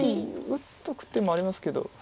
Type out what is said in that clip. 打っとく手もありますけど。